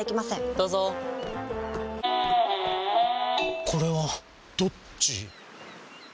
どうぞこれはどっち？